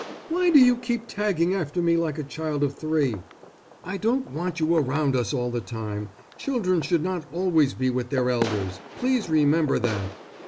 "Why do you keep tagging after me like a child of three? I don't want you around us all the time. Children should not always be with their elders. Please remember that.